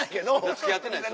付き合ってないですよ。